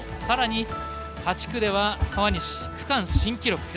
さらに、８区では川西区間新記録。